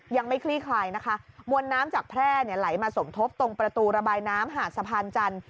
คลี่คลายนะคะมวลน้ำจากแพร่เนี่ยไหลมาสมทบตรงประตูระบายน้ำหาดสะพานจันทร์